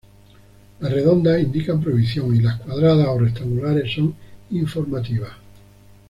Las redondas indican prohibición y las cuadradas o rectangulares son informativas.